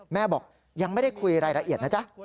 แม่บอกยังไม่ได้คุยรายละเอียดนะจ๊ะ